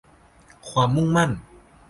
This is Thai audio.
ความมุ่งมั่น